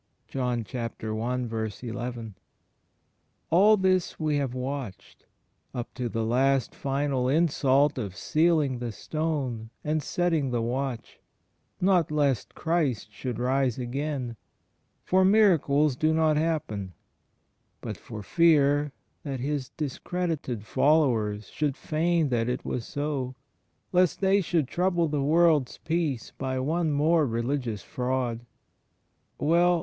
^ All this we have watched, up to the last final insult of sealing the stone and setting the watch, not lest Christ should rise again (for " mira cles do not happen!")) but for fear that His discredited followers should feign that it was so, — lest they shoidd trouble the world's peace by one more religious fraud. Well!